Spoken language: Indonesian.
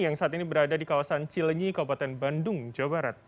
yang saat ini berada di kawasan cilenyi kabupaten bandung jawa barat